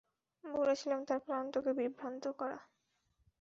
বলেছিলাম তার প্ল্যান তোকে বিভ্রান্ত করা।